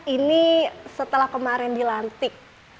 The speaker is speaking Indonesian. ini setelah kemarin dilantik